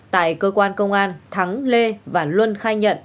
tại cơ quan công an thắng lê và luân